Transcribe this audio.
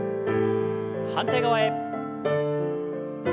反対側へ。